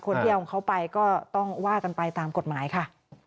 คนที่เอาของเขาไปก็ต้องว่ากันไปตามกฎหมายค่ะ